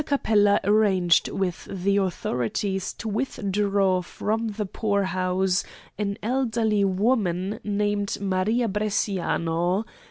Capella arranged with the authorities to withdraw from the poorhouse an elderly woman named Maria Bresciano.